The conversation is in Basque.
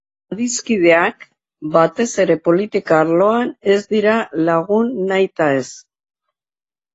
Adiskideak, batez ere politika arloan, ez dira lagun nahitaez.